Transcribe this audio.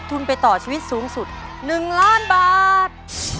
ทุนไปต่อชีวิตสูงสุด๑ล้านบาท